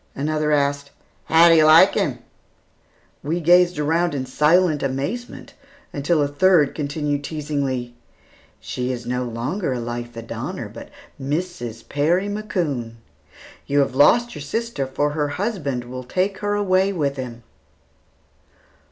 Another asked, "How do you like him?" We gazed around in silent amazement until a third continued teasingly, "She is no longer Elitha Donner, but Mrs. Perry McCoon. You have lost your sister, for her husband will take her away with him."